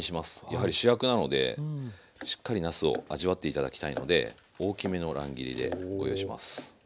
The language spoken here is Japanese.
やはり主役なのでしっかりなすを味わって頂きたいので大きめの乱切りで。